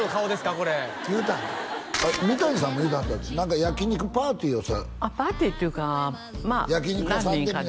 これ言うた三谷さんも言うてはった何か焼き肉パーティーをあっパーティーっていうかまあ何人かでね